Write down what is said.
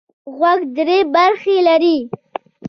غوږ درې برخې لري.